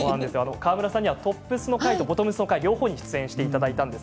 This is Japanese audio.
川村さんにはトップスの回とボトムスの回両方にご出演いただきました。